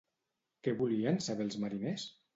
Què volien saber els mariners?